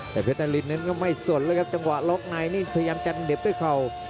แต่เวทยาลินก็ไม่ส่วนเลยครับจังหวะล็อกไนด์พยายามจะเด็บด้วยเข่า